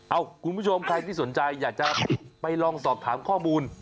คุณผู้ชมใครที่สนใจอยากจะไปลองสอบถามข้อมูล